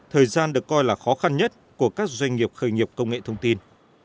thời gian được coi là khó khăn nhất của các doanh nghiệp khởi nghiệp công nghệ thông tin